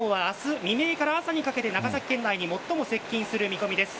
台風１４号は明日未明から朝にかけて長崎県内に最も接近する見込みです。